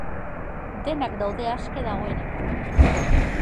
Denak daude aske dagoeneko.